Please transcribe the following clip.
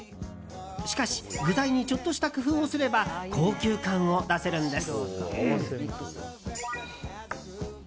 しかし具材にちょっとした工夫をすれば高級感を出せるんです。